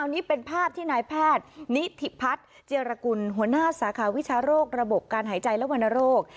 นี่เป็นภาพที่นายแพทย์นิธิพัฒน์เจรกุลหัวหน้าสาขาวิชาโรคระบบการหายใจและวรรณโรค